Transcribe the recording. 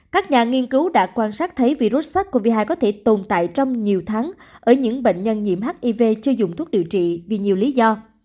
các nhà nghiên cứu đã quan sát thấy virus sars cov hai có thể tồn tại trong nhiều tháng ở những bệnh nhân nhiễm hiv chưa dùng thuốc điều trị vì nhiều lý do